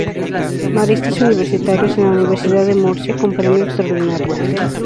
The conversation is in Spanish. Maristas, y universitarios en la Universidad de Murcia, con Premio Extraordinario.